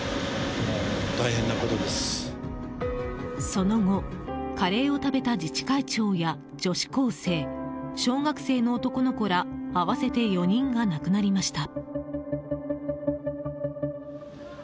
その後、カレーを食べた自治会長や女子高生小学生の男の子ら合わせて４人が亡くなりました。